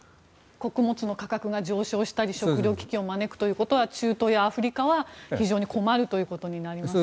穀物の価格が上昇したり食糧危機を招くということは中東やアフリカは、非常に困るということになりますね。